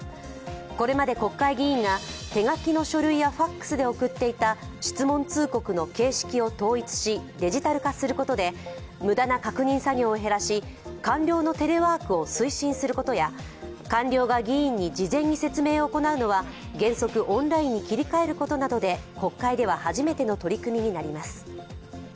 これまで国会議員が、手書きの書類やＦＡＸで送っていた質問通告の形式を統一しデジタル化することで無駄な確認作業を減らし官僚のテレワークを推進することや官僚が議員に事前に説明を行うのは原則オンラインに切り替えることなどで国会では初めての取り組みになります。